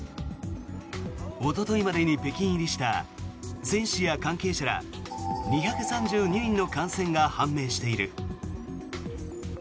おとといまでに北京入りした選手や関係者ら２３２人の感染が判明している。